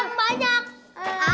gigi gue ntar patah